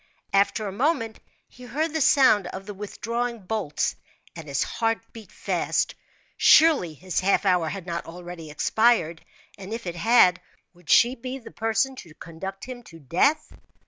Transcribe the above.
After a moment, he heard the sound of the withdrawing bolts, and his heart beat fast. Surely, his half hour had not already expired; and if it had, would she be the person to conduct him to death?